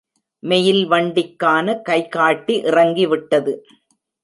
Mail வண்டிக்கான கைகாட்டி இறங்கிவிட்டது.